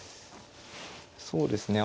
そうですね